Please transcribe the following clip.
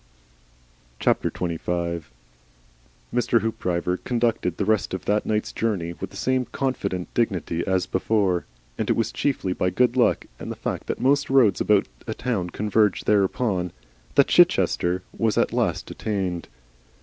XXV. Mr. Hoopdriver conducted the rest of that night's journey with the same confident dignity as before, and it was chiefly by good luck and the fact that most roads about a town converge thereupon, that Chichester was at last attained.